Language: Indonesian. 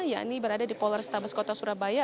yakni berada di polri stabes kota surabaya